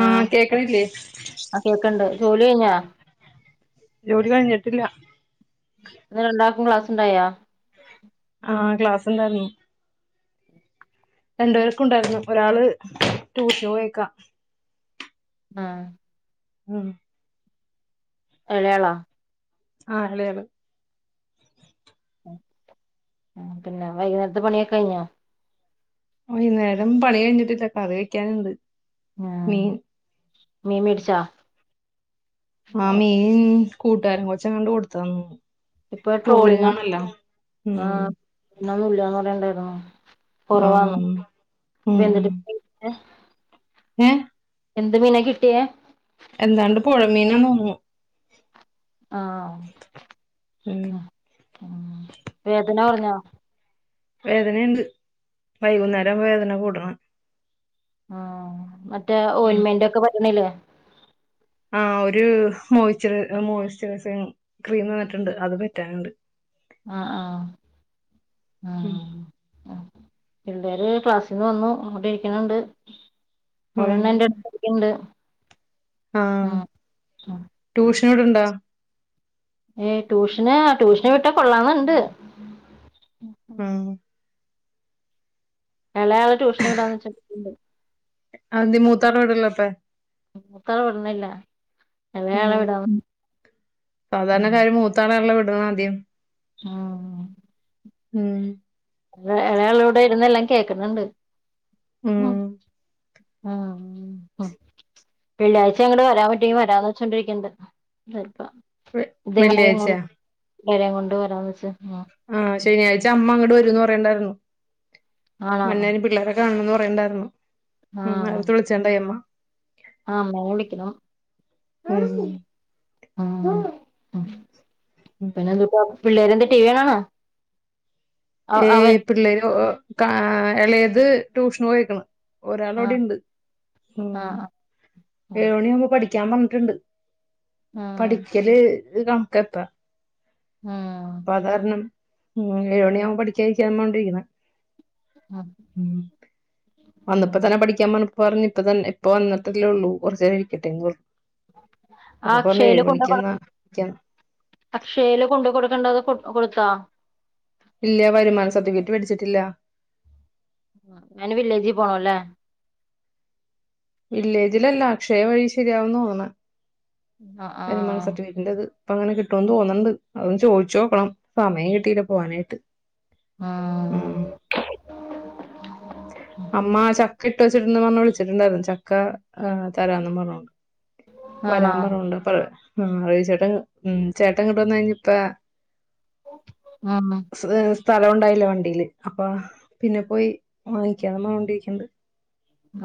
ആ കേക്കണില്ലേ ആ കേക്കണ്ട് ജോലി കഴഞ്ഞാ ജോലി കഴിഞ്ഞിട്ടില്ല. രണ്ടാക്കും ക്ലാസ് ഉണ്ടായാ ആ ക്ലാസ് ഇണ്ടാർന്നു രണ്ടു പേർക്കും ഉണ്ടായിരുന്നു ഒരാള് ടൂഷന് പോയേക്ക ആ ഉം ഇളയാളാ ആ് എളേയാള് പിന്നെ വൈകുന്നേരത്തെ പണിയൊക്കെ കഴിഞ്ഞോ വൈകുന്നേരം പണി കഴിഞ്ഞിട്ടില്ല കറി വെക്കാനുണ്ട് ആഹ് മം [unintelligible] ആ മീൻ കൂട്ടുകാരൻ കൊച്ചു കൊണ്ട് കൊടുത്തന്നു ഇപ്പൊ ട്രോളിങ്ങ് ആ ഉം ഇന്നും ഇല്ലന്ന് പറയണ്ട് ആഹം ആഹ ഉ ഏ എന്ത് മീന കിട്ടിയേ എന്താണ്ട് പുഴമീനാ പറഞ്ഞു ആഹ ഉം ഉ വേദന പറഞ്ഞോ വേദനയുണ്ട് വൈകുന്നേരം വേദന കൂടണം ആ മറ്റേ ഓയിന്മെന്റ് ഒക്കെ [unintelligible] ആ ഒരു മോയിസ്റ്റർ മോയിസ്റ്ററൈസിംഗ് ക്രീം തന്നിട്ടുണ്ട് അത് പറ്റാനുണ്ട് ആഹ ആഹ ഉം ആഹ ആ പിള്ളേര് ക്ലാസ്സിൽന്ന് വന്നു അവിടെ ഇരിക്കണണ്ട് ഒരണ്ണം എന്റെ അടുത്ത് പഠിക്കണുണ്ട് ആഹ ഉം ട്യൂഷൻ കയ്യ് അവിടെ ഉണ്ടാ ഏ ട്യൂഷന് ട്യൂഷന് വിട്ട കൊള്ളാന്ന് ഇണ്ട് മ് മളയാള ട്യഷൻ വിടാന്ന് വെചണ്ട് അതി മൂത്താള് എവിടെ ഉള്ളത് ഇത്ത വിടുന്നില്ല ഇളയാളെ ഉം. വിടന്ന ഉ മതിയോ ആഹ ഉം ഇളയാളിവിടെ ഇരുന്നെല്ലാം കേക്കുന്നുണ്ട് ഉം ഉ വെള്ളിയാഴ്ച്ച അങ്ങട്ട് വരാൻ പറ്റിയങ്കിൽ വരാന്ന് വെച്ചോണ്ടിരിക്കണ്ട് വെ വെള്ളിയാഴ്ചയാ വരം കൊണ്ട് വരാന്ന് വച്ച് ആ ശനിയാഴ്ച അമ്മ അങ്ങട്ട് വരൂന്ന് പറയേണ്ടായിരുന്നു ആണോ മന്നൻ ആ പിള്ളേരെ കാണണം ന്ന് പറ ഉണ്ടായിരുന്നു ഉം അതും വിളിച്ചു ഉണ്ടായിരുന്നു ആ അമ്മ വിളിക്കണം ഉം. മ് പിന്നെന്തുട്ടാ പിള്ളേരെന്തേ ടിവി കാണാണോ ഏ അവൻ പിള്ളേരു ഓ കാ ഇളയത് ട്യൂഷൻ പോയിക്കണ് ഒരാൾ ആ ഇവിടെണ്ട് ആ ആ മ് ആ ഉം. ഏഴു മണിയവുമ്പോ പഠിക്ക വിളിക്കാൻ വന്നിട്ടുണ്ട് പഠിക്കൽ ഇത് കണക്കത്ത ഉം. പാധാരണം ഉം ഏഴ് മണി ആവും പഠിക്കാ ഇരിക്കാ [unintelligible] ഉം. മ് വന്നപ്പ ഉം. തന്നെ പഠിക്കാ [unintelligible] പറഞ്ഞിപ്പത്തന്നെ ഇപ്പോ വന്നിട്ടല്ലേ ഒള്ളൂ കൊറച്ചേരം ഇരിക്കട്ടെന്ന് പറ ആ ക്ഷയില് കൊണ്ട് കൊ മണിക്കെന്നാ അക്ഷയേല് കൊണ്ട് കൊടുക്കണ്ടത് കൊ കൊടുത്താ ഇല്ല വരുമാന സട്ടിഫിക്കറ്റ് വേടിച്ചിട്ടില്ല അയിന് വില്ലേജി പോണോല്ലേ വില്ലേജിലല്ല അക്ഷയ വഴി ശരിയാവുംന്ന് തോന്നാണെ ആ വരുമാന ആ സട്ടിഫിക്കിറ്റേത് ഇപ്പൊങ്ങനെ കിട്ടുന്ന് തോന്നണ്ട് അതൊന്ന് ചോയിചോക്കണം സമയം കിട്ടീല പോവാനായിട്ട് ഉം ആഹ് അമ്മ ചക്ക ഇട്ട് വെച്ചിട്ടന്ന് പറഞ്ഞു വിളിച്ചിട്ടുണ്ടാരുന്നു ചക്ക തരാന്ന് പറഞ്ഞോണ്ട് ആണോ വരാം പറഞ്ഞോണ്ട് പ ആ [unintelligible] ആമേ സ്ഥലംണ്ടായില്ല വണ്ടിയില് അപ്പാ പിന്നെ പോയി വാങ്ങിക്കാ [unintelligible]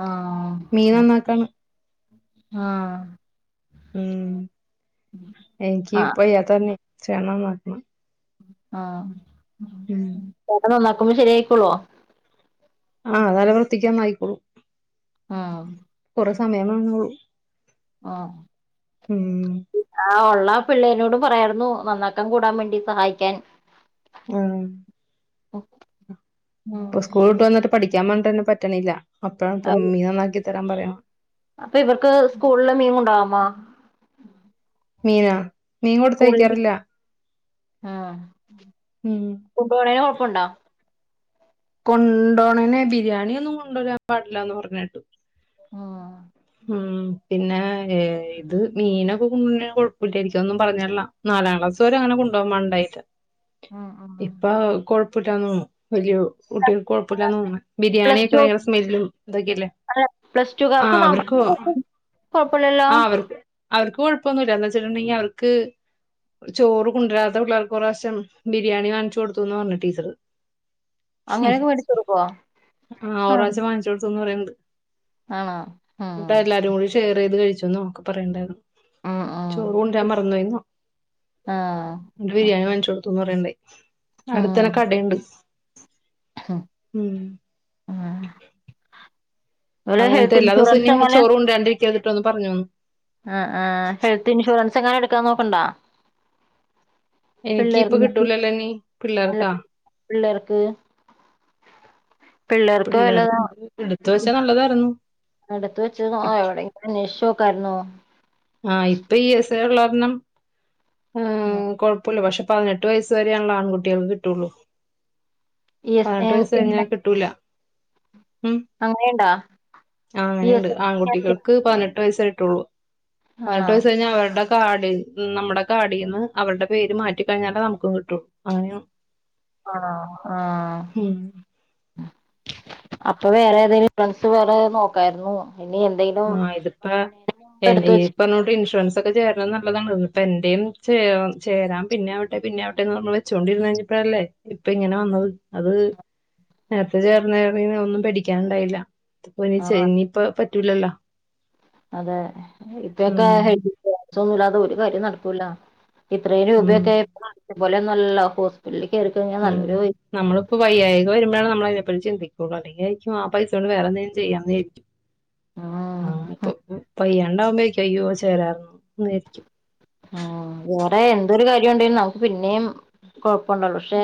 ആഹ് ഹാ ആ ഉം എനിക്ക് ആ ഇപ്പയത്തന്നെ [unintelligible] ആഹ് ഓന് നന്നാക്കുമ്പോ ശരിയായിക്കോളോ ആ നല്ല വൃത്തിക്ക് നന്നാക്കിക്കോളും. കൊറെ സമയം വേണന്നൊള്ളു. ആ ഉം ആ ഉള്ള പിള്ളേനോടും പറയാർന്നു നന്നാക്കൻ കൂടാൻ വേണ്ടി സഹായിക്കാൻ ഉം പ്പോ സ്കൂള് വിട്ട് ഉം. വന്നിട്ട് പഠി ക്കാ പറഞ്ഞ്ട്ടന്നെ പറ്റ്ണില്ല അപ്പഴ ഇപ്പം മീൻ നന്നാക്കി തരാൻ പറയണം അപ്പൊ ഇവർക്ക് സ്കൂള്ല് മീൻ കൊണ്ടവാ മോ മീനൊ മീൻ കൊട്ത്തയ്ക്കാറില്ല ആ കൊണ്ടോവ്ണേന് കൊഴപ്പണ്ടോ കൊണ്ടോണനെ ബിരിയാണിയോന്നും കൊണ്ടോരാൻ പാടില്ല ന്ന പറഞ്ഞേ ആ ഉം പിന്നെ ഇത് മീനൊക്കെ കൊണ്ടോവ്ന്നേന് കൊഴപ്പല്ലേക്കും അതൊന്നും പറഞ്ഞിട്ടില്ല നാലാം ക്ലാസ്സ്‌ വരെ അങ്ങനെ കൊണ്ടോവാ [unintelligible] ഉം ഉം. ഇപ്പൊ കൊഴപ്പ് [unintelligible] കുട്ട്യാള്ക്ക് കൊഴപ്പല്ല തോന്ന്ണ് പ്ലസ് ബിരിയാണിയൊക്കെ ടു ഭയങ്കര സ്മെല്ലും ഇതൊക്കല്ലേ പ്ലസ് ടു ആ കാർക്ക് അവർക്ക് നമ്മള് കൊഴപ്പല്ലല്ലോ ആ അവർ അവർക്ക് കൊഴപ്പൊന്നുല്ല എന്നാ ച്ചിട്ടുണ്ടെങ്കി അവൾക്ക് ചോറ് കൊണ്ടരാത്ത പിള്ളേർക്ക് ഒറാവശ്യം ബിരിയാണി വാങ്ങിച്ചു കൊട്ത്ത് പറഞ്ഞ് ടീച്ചറ് അങ്ങനെയൊക്കെ മേടിച്ച് കൊടുക്കൊ? ആഹ് അ ആണോ ന്നിട്ടാ ഉം എല്ലാരും കൂടി ഷെയർ ചെയ്ത് കഴിച്ചു [unintelligible] പറയണ്ടായിരുന്നു ഉം ഉം ചോറ് കൊണ്ടുരാൻ മറന്നൊയിന്ന ആഹ് ബിരിയാണി വങ്ങിച്ചോ കൊടു [unintelligible] ഉം അടുത്തന്നെ കടേണ്ട് ഉം ഓലെ അങ്ങനത്തെ ഹെൽത്ത് എല്ലാ ദിവസവും ഇൻഷുറൻസ് ഇനി ചോറ് കൊണ്ടരാണ്ടിരി [unintelligible] പറഞ്ഞോ ആ ആ ഹെൽത്ത് ഇൻഷുറൻസ് [unintelligible] എടുക്കാന്നോക്ക്ണ്ടോ എനിക്ക് ഇപ്പ കിട്ടൂലല്ലോന്നീ അല്ല പിള്ളേർക്കാ പി- പിള്ളേർക്ക് പിള്ളേർക്ക് എടുത്ത് വച്ചാ നല്ലതായിരുന്നു അടുത്ത് വെച്ച് ങാ എവിടെങ്കിലും അന്വേഷിച്ച് നോക്ക് [unintelligible] ആ ഇപ്പൊ ഈ സ് ള്ള കാരണം ആ കൊഴപോല്ല പക്ഷേ പതിനെട്ട് വയസ്സ് വരാണല്ലോ ആൺകുട്ടികൾക്ക് കിട്ടോള്ളൂ ഇ എസ് എ പതിനെട്ട് വയസ്സ് കഴിഞ്ഞാ അങ്ങനെ കിട്ടൂല ഉം അങ്ങനെയുണ്ടാ ആ ഇ അങ്ങനേണ്ട് എസ് എ- ആൺകുട്ടികൾക്ക് പതിനെട്ട് വയസ്സ് കഴിഞ്ഞാ ട്ടൊള്ളൂ പതിനെട്ട് ആണോ വയസ്സ് കഴിഞ്ഞാ അവര്ടെ കാഡ് നമ്മുടെ കാഡീന്ന് അവരുടെ പേര് മാറ്റിക്കഴിഞ്ഞാലേ നമുക്ക് കിട്ടൂ അങ്ങനെയാ ആ ഹും അപ്പൊ വേറെ ഏതേലും ഫ്രണ്ട്സ് വേറെ ഏതേലും നോക്കാരുന്നു ആഹ ഇതിപ്പ എടുത്ത് വെച്ച് ഇനിയിപ്പോട്ട് ഇൻഷുറൻസ് ഒക്കെ ചെയ നല്ലതാണ് ഇപ്പ എന്റെയും ചേ ചേരാൻ പിന്നാവട്ടെ പിന്നെ ആവട്ടെന്ന് പറഞ്ഞ് വെച്ചോണ്ടിരുന്നു കഴിഞ്ഞപ്പഴല്ലേ ഇപ്പ ഇങ്ങനെ വന്നത് അത് നേരത്തെ ചേർന്നേ ഒന്നും പേടിക്കാനുണ്ടായില്ല ക്ക് ആഹ് ഇനി ഇപ്പ പറ്റ് റ്റൂലല്ല അതെ ഇപ്പേക്ക ഉം തൊന്നുല്ലാതെ ഒരു കാര്യം നടക്കൂല ഇത്രേന ഉം ഉപയോഗ പോലെ നല്ല ഹോസ്പിറ്റലില് ഉം നമ്മളിപ്പോ വയ്യായിക വരുമ്പോഴാണ് നമ്മള അപ്പോഴ ചിന്തിക്കുള്ളൂ അല്ലെങ്കി ആരിക്കും ആ പൈസ കൊണ്ട് വറെന്തേലും ചെയ്യാന്ന്വിചാരിക്കും ഉം ആ ഇപ്പൊ പയ്യ രണ്ടാകുമ്പേരിക്കും അയ്യോ ചേരാരുന്നു എന്ന്ചാരിക്കും ഉ വേറെ എന്തോരു കാര്യംണ്ടെങ്കും നമുക്ക് പിന്നേും കൊഴപ്പുണ്ടള്ളൂ പക്ഷെ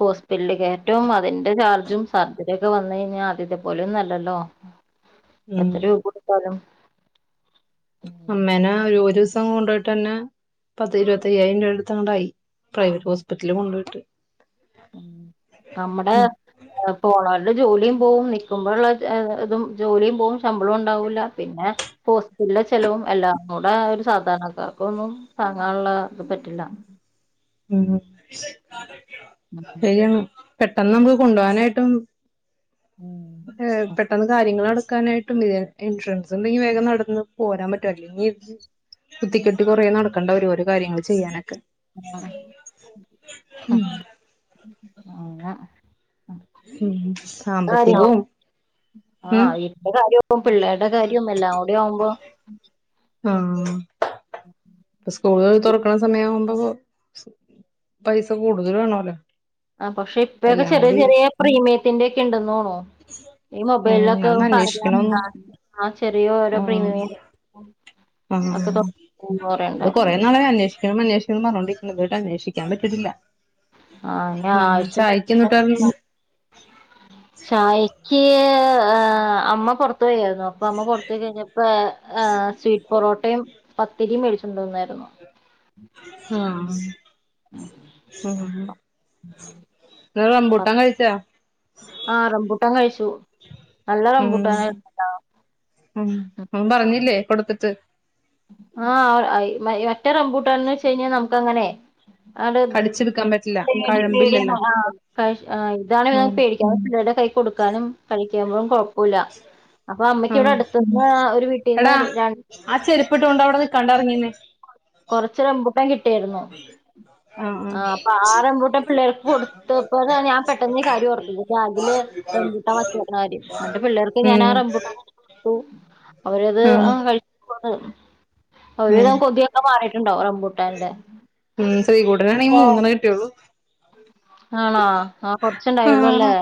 ഹോസ്പിറ്റല കയറ്റവും അതിന്റെ ചാർജും സർജറി ഒക്കെ വന്ന്‌ കഴിഞ്ഞാൽ ആദ്യതേ പോലെയല്ലല്ലോ ഉം എത്ര രൂപകൊടുത്താലും അമ്മേനെ ഒരു ദിവസം കൊണ്ട് പോയിട്ട്ന്നെ പത്തുഇരുപത്തിയായിരം രൂപ ണ്ടായി പ്രൈവറ്റ് ഹോസ്പിറ്റല് കൊണ്ട്പോയിട്ട് ഉ നമ്മടെ ഉം പോളാ ജോലിയും പോവും നിക്കുമ്പോഴള്ള ഇതും ജോലിയും പോവും ശമ്പളം ഉണ്ടാവൂല്ല പിന്നെ ഹോസ്റ്റലെ ചെലവും എല്ലാം കൂടെ ഒരു സാധാരണക്കാർക്ക് ഒന്നും താങ്ങാനുള്ള ഇത് പറ്റില്ല ഉം ശരിയാണ് പെട്ടെന്ന് നമുക്ക് കൊണ്ടുപോകാനായിട്ടും ഏ പെട്ടെന്ന് കാര്യങ്ങൾ പോരാനായിട്ടും ഇൻഷുറൻസ് ഉണ്ടെങ്കിൽ വേഗം നടന്ന് പോരാൻ പറ്റും അല്ലെങ്കി ഇ കുത്തിക്കെട്ടി കൊറേ നടക്കണ്ട വരും ഓരോ കാര്യങ്ങൾ ചെയ്യാനൊക്കെ ഉം ആന ഉം സാമ്പത്തികവും [unintelligible] ആ ഉം ഇന്റെ കാര്യം പിള്ളേരുടെ കാര്യവും എല്ലാം കൂടെ ആവുമ്പോ ഉം ആഹ് ഇപ്പ സ്കൂളുകൾ തുറക്കണ സമയം ആവുമ്പ പൈസ കൂടുതൽ വേണല്ലോ ആ പക്ഷെ ഇപ്പൊക്കെ എല്ലാം ചെറിയ കൂടി ചെറിയ പ്രീമിയത്തിന്റെ ഒക്കെ ഉണ്ടന്ന്തോന്നുണു ഈ ഉം മൊബൈലിലൊക്കെ അതൊന്ന് അന്വേഷിക്കണൊന്ന് കാണിക്ക ചെറിയ ഓരോ പ്രീമിയം ആ ഒക്കെ തൊ ഇത് പറയണ്ടായിരുന്നു കൊറേ നാളായി അന്വേഷിക്കണം അന്വേഷ ക്കണം ന്ന്‌ പറഞ്ഞൊണ്ടിരിക്കണ് ഇത് വരെ അന്വേഷിക്കാൻ പറ്റിട്ടില്ല ആ ആവശ്യം എന്തുട്ടായിരുന്നു [inaudible] ചായക്ക് ആ അമ്മ പൊറത്ത് പോയായിരുന്നു അപ്പൊ അമ്മ പുറത്ത് പോയി കഴിഞ്ഞപ്പോ ആ സ്വീറ്റ് പൊറോട്ടയും പത്തിരിയും മേടിച്ചിണ്ടോന്നായിരുന്നു ആഹ ആഹ [unintelligible] റംബുട്ടാൻ കഴിച്ചോ ആഹ റംബൂട്ടാൻ കഴിച്ചു നല്ല ഉം റംബൂട്ടാനായിരുന്നു ഉം ഓൻ പറഞ്ഞില്ലേ കൊടുത്തിട്ട് ആഹ [unintelligible] മറ്റേ റംബൂട്ടാണെന്നുവെച്ചഴിഞ്ഞാ നമുക്ക് അങ്ങനെ അടെ കടിച്ചെടുക്കാൻ പറ്റില്ല പേടി പേടിയ കഴമ്പില്ലല്ലോ ആ ആ ഇതാണ് ഉം പേടിക്കാൻ ചരുടെ കൈ കൊടുക്കാനും കഴ [unintelligible] ക്കോ പോല അപ്പൊ അമ്മയ്ക്ക് ഇവിടെ ആഹ് അടുത്തന്ന് ഒരു വീട്ടീന്ന് രണ്ട് ട്ടുണ്ട് അവിടെ നികാണ്ട് എറങ്ങിന്നേ കൊറച്ച് റമ്പു ട്ടാൻ കിട്ടിയിരുന്നു ആഹ് ആഹ് ആ അപ്പൊ ആ റംബൂട്ടാൻ പിള്ളേർക്ക് കൊടുത്തപ്പോ ഞാൻ പെട്ടെന്ന് കാര്യം ഓർത്തത് ബാഗില് റംബൂട്ടാൻ വച്ചേകണ കാര്യം എന്നിട്ട് പിള്ളേർക്ക് ഞാൻ ആ ഉം റംബൂട്ടാൻ കൊടുത്തു അവരത് ആഹ് ആ കഴിച്ച് [unintelligible] പോ അവര്താ ഉം കൊതിയ ഉണ്ടോ [unintelligible] ഉം ശ്രീ കൂട്ടനണെങ്കി മൂന്നെണ്ണ കിട്ടിയൊള്ളൂ ആണോ ആഹ് കൊറച്ചിണ്ടായൊള്ളൂല്ലേ ആഹ്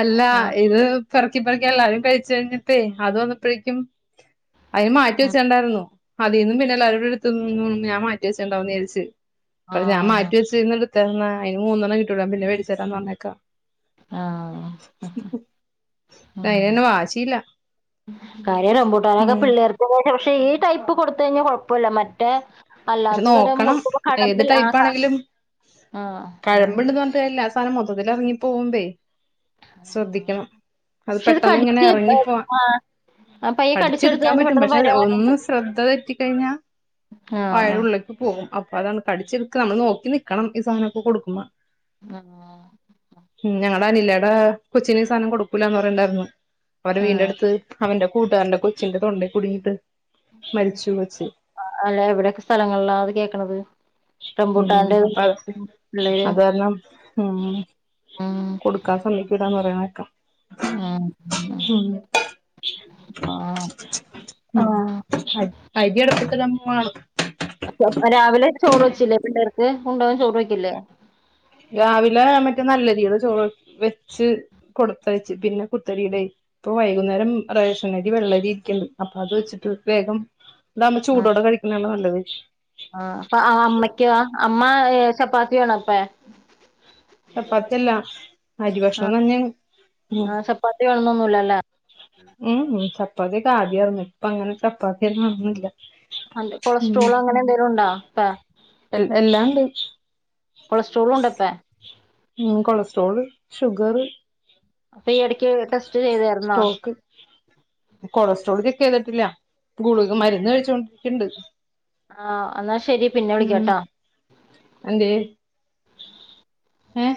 അല്ല ആഹ് ഇത് പെറക്കി പെറക്കി എല്ലാരും കഴിച്ച് കഴിഞ്ഞപേ അത് വന്നപ്പഴേക്കും അതിന് മാറ്റി വെച്ചിട്ടണ്ടായിരുന്നു അതീന്ന് പിന്നെല്ലാവരുടെ ഇടുത്ത് തിന്നന്നെ ഞാൻ മാറ്റിവെച്ചട്ടണ്ടാവുന്ന് വിചാരിച് ആ അപ ഞാൻ മാറ്റി ആ വെച്ചെന്നിടിത് തന്ന അതിന് മൂന്നെണ്ണാ കിട്ടി [unintelligible] പിന്നെ വേടിച്ചരാന്ന് പറഞ്ഞേക്കാ ആഹ് അതിനന്നെ വാശിയില്ല കാര്യം റബുട്ടാനൊക്കെ ഉം പിള്ളേർക്ക് പക്ഷെ ഈ ടൈപ്പ് കൊടുത്ത് കഴിഞ്ഞാ കൊഴ പ്പല്ല മറ്റേ പക്ഷെ അല്ലാത്ത തരം നോക്കണം കൊടുകും ഭ ഏത് ടൈപ്പ് കടമ്പിലാത ആണെങ്കിലും ആഹ് ആഹ് സാനം മൊത്തതില് ഇറങ്ങി പോകുമ്പേ ശ്രദ്ധിക്കണം അത് പക്ഷെ ഇത് പെട്ടന്ന് ഇങ്ങനെ കടിച്ച് ഇറങ്ങിപ്പോ ആ പയ്യെ കടിച്ചെടുത്ത് കടിച്ചെടുക്കാൻ തന്നെ പറ്റും പെട്ടെന്ന് പക്ഷെ വരാൻ പറ്റും ഒന്ന് ശ്രദ്ധ തെറ്റിക്കഴിഞ്ഞാ വയെട ആഹ് ഉള്ളിലേക്ക് പോവും അപ്പൊ അതാണ് കഠിച്ചെടുക്ക നമ്മൾ നോക്കി നിക്കണം ഈ സാനൊക്കെ കൊടുക്കുമ്പൊ ആഹ് സനിലെട കൊച്ചിന് ഈ സാധനം കൊടുക്കൂലന്ന് പറയണ്ടായിരുന്നു അവരെ വീടിന്റെ ആഹ് അടുത്ത് അവന്റെ കൂട്ടുകാരന്റെ കൊച്ചിന്റെ തൊണ്ടേ കുടുങ്ങിട്ട് മരിച്ചു കൊച്ച് അല്ല എവിടെയൊക്കെ സ്ഥലങ്ങളിലാ അത് കേക്കണത് ഉം റംബൂട്ടാന്റെ അപ്പ പിള്ളേര് അത് കാരണം ഉം ഉം കൊടുക്കാൻ സമ്മയിക്കുലാന്ന് പറയണ ഉം ആഹ് ആഹ് ഫുഡ് അരി അടപ്പത് [unintelligible] രാവിലെ ചോറ് വെച്ചില്ലേ പിള്ളേർക്ക് കൊണ്ടോവാൻ ചോറ് വയ്ക്കില്ലേ രാവിലെ മറ്റേ നല്ലരിയുടെ ചോറ് വെച്ച് കൊടുത്തഴച്ച് പിന്നെ കുത്തരിയുടെ ഇപ്പൊ വൈകുന്നേരം റേഷനരി വെള്ളരി ഇരിക്കണ്ട് അപ്പൊ അത് വെച്ചിട്ട് വേഗം ഇ നമ്മ ചൂടോടെ കഴിക്കാനാണ് നല്ലത് ആ അപ്പ അമ്മയ്ക്ക് അമ്മ ചപ്പാത്തി വേണ അപ്പ ചപ്പാത്തിയല്ല അരി ഭക്ഷണം ആഹ് തന്നെ ആഹ് ചപ്പാത്തി വേണന്നൊന്നുല്ലല്ലേ ഉ ചപ്പാതി കാദ്യായിരുന്നു ഇപ്പൊ അങ്ങനെ ചപ്പാത്തിയൊും വന്നുന്നില്ല അ കൊളസ്ട്രോൾ അങ്ങനെ എന്തെലും ഉണ്ടോപ്പ എ എല്ലാം ഉണ്ട് കൊളസ്ട്രോളും ഉണ്ടപ്പ കൊളസ്ട്രോള് ഷുഗറ് അപ്പൊ ഈ ഇടക്ക് ടെസ്റ്റ് ചെയ്തായിരുന്നോ സ്ട്രോക്ക് കൊളസ്ട്രോൾ ചെക്ക് ചെയ്തിട്ടില്ല ഗുളക് മരുന്ന് കഴിച്ചോണ്ട് എിണ്ട് ആഹ് എന്നാ ശെരി പിന്നെ വിളിക്കാട്ടാ ആഏ